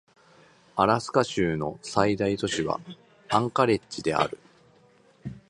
アラスカ州の最大都市はアンカレッジである